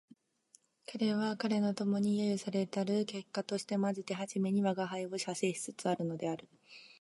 彼は彼の友に揶揄せられたる結果としてまず手初めに吾輩を写生しつつあるのである